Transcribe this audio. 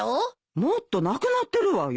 もっとなくなってるわよ。